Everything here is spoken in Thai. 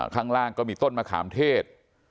ข้างล่างก็มีต้นมะขามเทศ